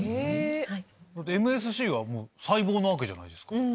ＭＳＣが細胞なわけじゃないですか。